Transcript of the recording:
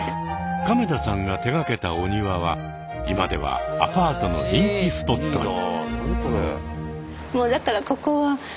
亀田さんが手がけたお庭は今ではアパートの人気スポットに。